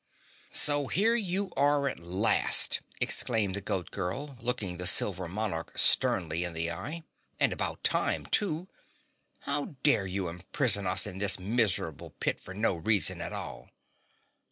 "So here you are at last," exclaimed the Goat Girl, looking the Silver Monarch sternly in the eye. "And about time, too. How dare you imprison us in this miserable pit for no reason at all?"